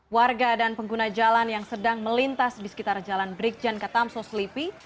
warga dan pengguna jalan yang sedang melintas di sekitar jalan brikjen ke tamso selipi